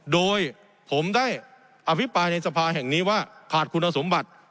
โดยผมได้อภิปรายในสภาแห่งนี้ว่าขาดคุณสมบัติ